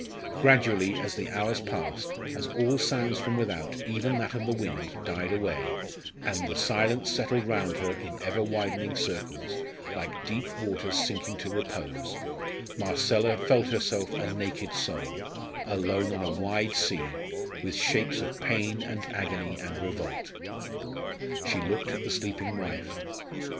Gradually, as the hours passed, as all sounds from without, even that of the wind, died away, and the silence settled round her in ever widening circles, like deep waters sinking to repose, Marcella felt herself a naked soul, alone on a wide sea, with shapes of pain and agony and revolt. She looked at the sleeping wife.